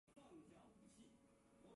普龙勒鲁瓦。